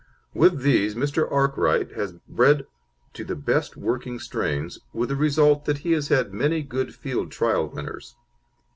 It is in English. With these Mr. Arkwright has bred to the best working strains, with the result that he has had many good field trial winners.